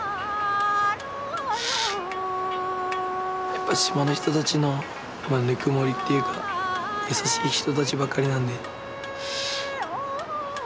やっぱ島の人たちのぬくもりっていうか優しい人たちばっかりなんで。